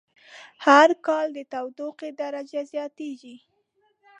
هر کال د تودوخی درجه زیاتیږی